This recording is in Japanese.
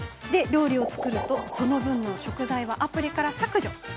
料理を作ると、その分の食材はアプリから削除。